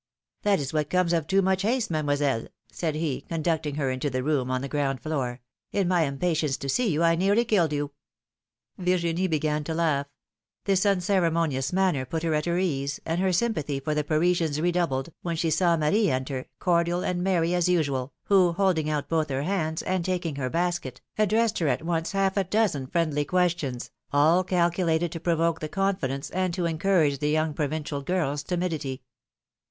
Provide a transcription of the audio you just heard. That is what comes of too much haste, Mademoiselle/^ said he, conducting her into the room on the ground floor ; 'Gn my impatience to see you, I nearly killed you.^^ Virginie began to laugh ; this unceremonious manner put her at her ease, and her sympathy for the Parisians redoubled, when she saw Marie enter, cordial and merry as usual, who, holding out both her hands, and taking her basket, addressed her at once half a dozen friendly questions, all calculated to provoke the confidence and to encourage the young provincial girks timidity.